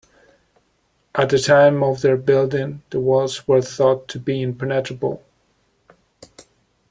At the time of their building, the walls were thought to be impenetrable.